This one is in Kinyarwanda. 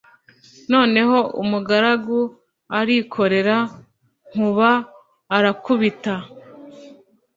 Noneho umugaragu arikorera Nkuba arakubita